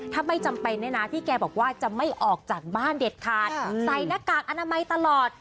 ถ้าไม่จำเป็นเนี่ยนะพี่แกบอกว่าจะไม่ออกจากบ้านเด็ดขาดใส่หน้ากากอนามัยตลอด